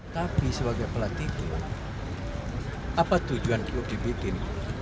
tapi sebagai pelatih klub apa tujuan klub dibikin